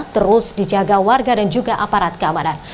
terus dijaga warga dan juga aparat keamanan